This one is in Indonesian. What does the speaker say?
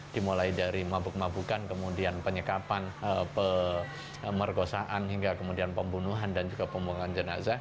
dimulai dari mabuk mabukan penyekapan pemerkosaan pembunuhan dan pembunuhan jenazah